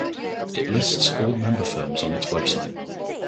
It lists all member firms on its website.